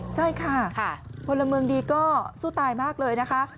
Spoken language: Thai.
ใช่ค่ะพลเมืองดีก็สู้ตายมากเลยนะคะ